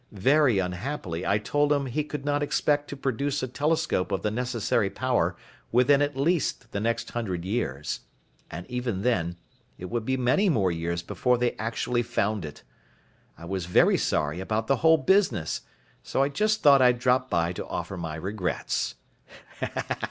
Very unhappily I told him he could not expect to produce a telescope of the necessary power within at least the next hundred years. And even then, it would be many more years before they actually found it. I was very sorry about the whole business, so I just thought I'd drop by to offer my regrets."